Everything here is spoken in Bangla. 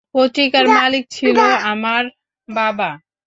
পত্রিকার মালিক ছিল আমার বাবা।